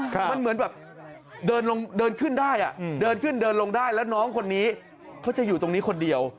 มันเหมือนแบบเดินขึ้นได้แล้วน้องคนนี้เขาจะอยู่ตรงนี้คนเดียว